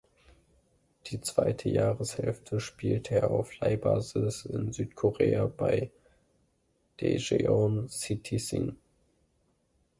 Die zweite Jahreshälfte spielte er auf Leihbasis in Südkorea bei Daejeon Citizen.